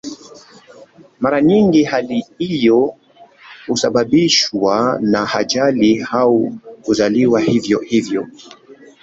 Mara nyingi hali hiyo husababishwa na ajali au kuzaliwa hivyo hivyo.